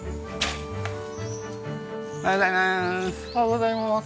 おはようございます。